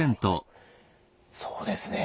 そうですね。